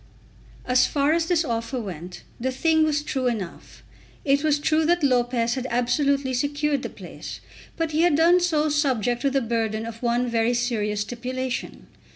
As far as this offer went, the thing was true enough. It was true that Lopez had absolutely secured the place. But he had done so subject to the burden of one very serious stipulation.